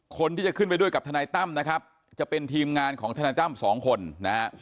คนที่จะขึ้นไปด้วยกับทนายตั้มนะครับจะเป็นทีมงานของทนายตั้มสองคนนะฮะ